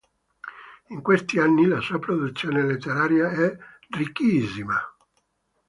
In questi anni la sua produzione letteraria è ricchissima.